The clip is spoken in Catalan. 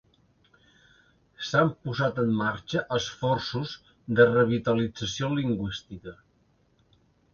S'han posat en marxa esforços de revitalització lingüística.